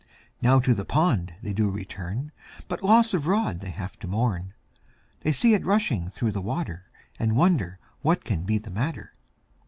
Now to the pond they do return, But loss of rod they have to mourn, They see it rushing through the water, And wonder what can be the matter.